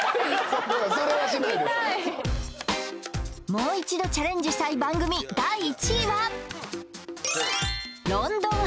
もう一度チャレンジしたい番組第１位は？